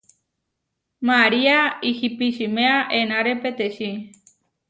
María ihipičiméa enáre peteči.